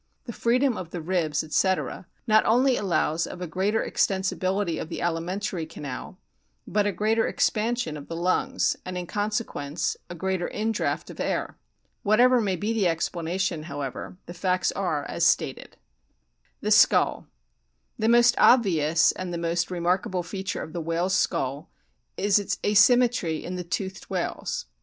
The freedom of the ribs, etc., not only allows of a greater extensibility of the alimentary canal, but a greater expansion of the lungs, and, in consequence, a greater indraught of air. Whatever may be the explanation, however, the facts are as stated, THE SKULL The most obvious and the most remarkable feature of the whale's skull is its asymmetry in the toothed whales.